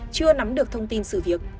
chưa nắm được thông tin sự việc